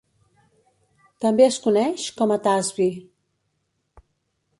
També es coneix com a tasbih.